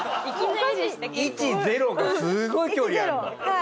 １０がすごい距離あるから。